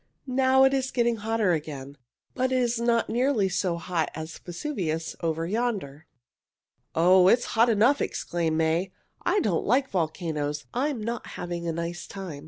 Now it is getting hotter again, but it is not nearly so hot as Vesuvius over yonder." "Oh, it's hot enough!" exclaimed May. "I don't like volcanoes. I'm not having a nice time.